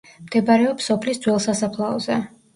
მდებარეობს სოფლის ძველ სასაფლაოზე.